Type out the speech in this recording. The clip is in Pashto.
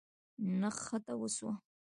نښته وسوه.